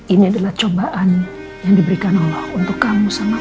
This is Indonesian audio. ini adalah cobaan yang diberikan allah untuk kamu sama